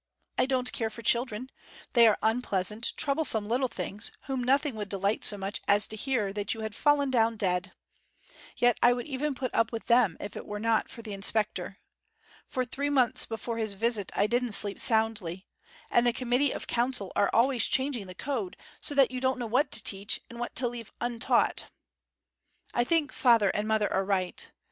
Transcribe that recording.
I don't care for children they are unpleasant, troublesome little things, whom nothing would delight so much as to hear that you had fallen down dead. Yet I would even put up with them if it was not for the inspector. For three months before his visit I didn't sleep soundly. And the Committee of Council are always changing the Code, so that you don't know what to teach, and what to leave untaught. I think father and mother are right.